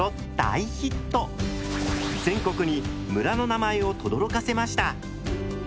全国に村の名前をとどろかせました。